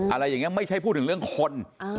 อะไรอย่างนี้ไม่ใช่พูดถึงเรื่องคน